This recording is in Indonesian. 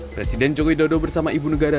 presiden jokowi dodo bersama ibu negara